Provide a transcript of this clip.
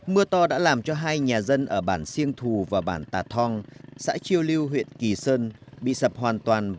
mưa to đã làm cho hai nhà dân ở bản siêng thù và bản tà thong xã chiêu lưu huyện kỳ sơn bị sập hoàn toàn